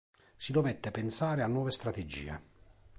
Si dovette pensare a nuove strategie.